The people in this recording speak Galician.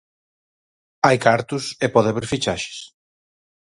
Hai cartos e pode haber fichaxes.